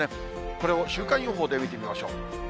これを週間予報で見てみましょう。